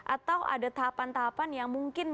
atau ada tahapan tahapan yang mungkin